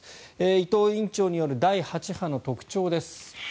伊藤院長による第８波の特徴です。